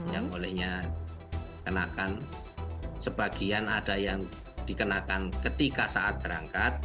yang olehnya kenakan sebagian ada yang dikenakan ketika saat berangkat